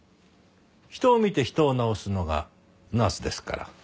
人を見て人を治すのがナースですから。